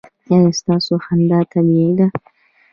ایا ستاسو خندا طبیعي ده؟